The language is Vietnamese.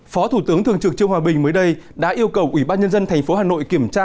phó thủ tướng thường trực trương hòa bình mới đây đã yêu cầu ủy ban nhân dân tp hà nội kiểm tra